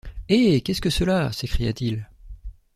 Eh! qu’est-ce que cela? s’écria-t-il.